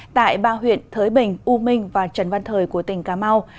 tại ba huyện thới bình u minh và trần văn thời của tỉnh cà mau